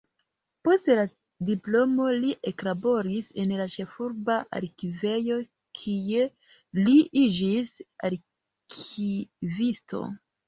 Post la diplomo li eklaboris en la ĉefurba arkivejo, kie li iĝis arkivisto.